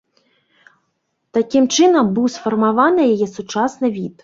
Такім чынам быў сфармаваны яе сучасны від.